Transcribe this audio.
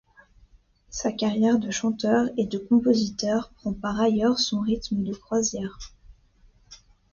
Sa carrière de chanteur et de compositeur prend par ailleurs son rythme de croisière.